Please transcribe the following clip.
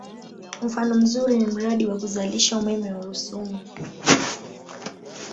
Mfano mzuri ni mradi wa kuzalisha umeme wa Rusumo